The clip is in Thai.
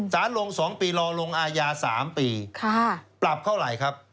สารลง๒ปีรอลงอาญา๓ปีปรับเท่าไหร่ครับ